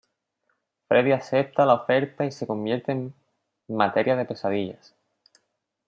Freddy acepta la oferta y se convierte en "Materia de Pesadillas".